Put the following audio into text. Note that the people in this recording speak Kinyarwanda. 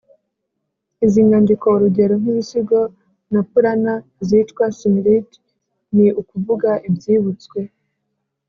izindi nyandiko, urugero nk’ibisigo na purana, zitwa smriti, ni ukuvuga ibyibutswe